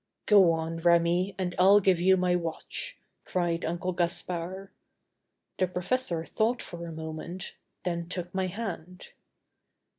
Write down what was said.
"Go on, Remi, and I'll give you my watch," cried Uncle Gaspard. The professor thought for a moment, then took my hand.